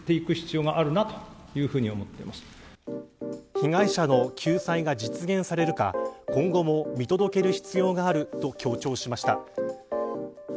被害者の救済が実現されるか今後も見届ける必要があると強調しました。